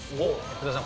福田さん